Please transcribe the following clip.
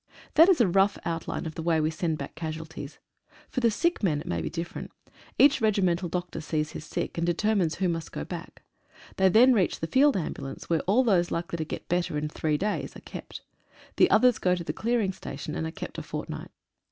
That is a rough outline of the way we send back casualties. For the sick men it may be different. Each regimental doctor sees his sick, and determines who must go back. They then reach the Field Ambulance, where all those likely to get better in three days are kept. The others go to the clearing station, and are kept a fortnight.